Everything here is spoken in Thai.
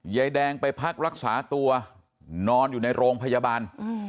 ยายแดงไปพักรักษาตัวนอนอยู่ในโรงพยาบาล